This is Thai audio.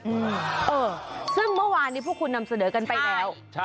อืมเออซึ่งเมื่อวานนี้พวกคุณนำเสนอกันไปแล้วใช่